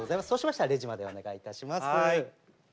そうしましたらレジまでお願いいたします。